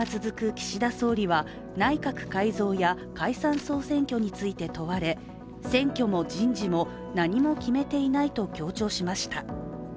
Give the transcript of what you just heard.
岸田総理は内閣改造や解散総選挙について問われ選挙も人事も何も決めていないと強調しました。